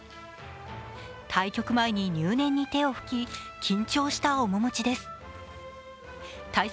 対局前に入念に手を拭き緊張した面持ちです。